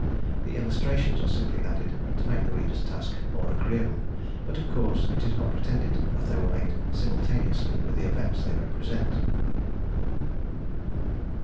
The illustrations are simply added to make the reader's task more agreeable, but, of course, it is not pretended that they were made simultaneously with the events they represent.